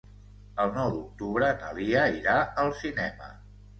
El nou d'octubre na Lia irà al cinema.